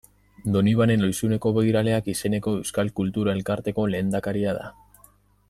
Donibane Lohizuneko Begiraleak izeneko euskal kultura elkarteko lehendakaria da.